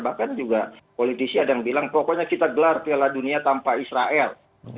bahkan juga politisi ada yang bilang pokoknya kita gelar piala dunia tanpa israel